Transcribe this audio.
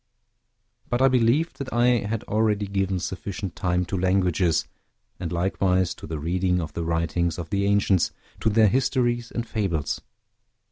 But I believed that I had already given sufficient time to languages, and likewise to the reading of the writings of the ancients, to their histories and fables.